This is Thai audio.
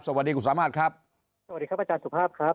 สวัสดีคุณสามารถครับสวัสดีครับอาจารย์สุภาพครับ